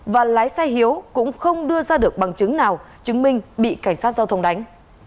và lái xe hiếu cũng không đưa ra được bằng chứng nào chứng minh bị cảnh sát giao thông đánh